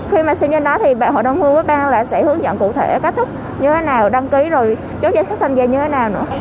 khi mà xem trên đó thì hội đồng hương với bang lại sẽ hướng dẫn cụ thể cách thức như thế nào đăng ký rồi chốt danh sách tham gia như thế nào nữa